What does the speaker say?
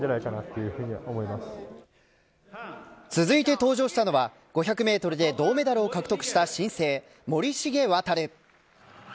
続いて登場したのは５００メートルで銅メダルを獲得した新星森重航。